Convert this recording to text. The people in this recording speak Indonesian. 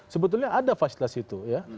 sebetulnya ada fasilitas itu ya